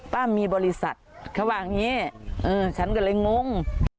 มีบริษัทเขาว่าอย่างนี้ฉันก็เลยงง